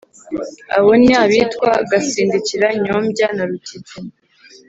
Abo ni abitwa: Gasindikira, Nyombya na Rukikana.